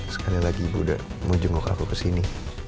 sekali lagi ibu udah mau jenguk aku kesini